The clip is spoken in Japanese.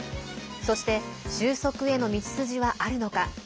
そして、収束への道筋はあるのか。